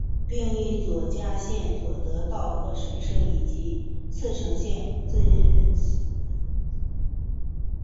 并与佐贺县佑德稻荷神社以及茨城县笠间稻荷神社并称日本三大稻荷。